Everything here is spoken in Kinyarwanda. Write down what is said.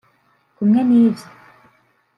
Kumwe n'ivyo